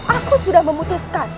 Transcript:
aku sudah memutuskan